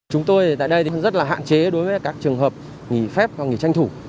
chúng tôi tại đây rất là hạn chế đối với các trường hợp nghỉ phép hoặc nghỉ tranh thủ